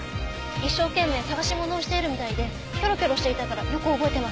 一生懸命捜し物をしているみたいでキョロキョロしていたからよく覚えてます。